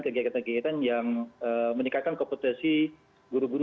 kegiatan kegiatan yang meningkatkan kompetensi guru guru